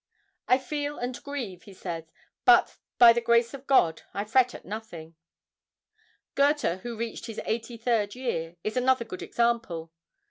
"I feel and grieve," he says, "but by the grace of God I fret at nothing." Goethe, who reached his eighty third year, is another good example.